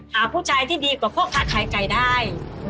หาผู้ชายที่ดีกว่าพ่อค้าขายไก่ได้